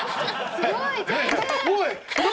すごい！何？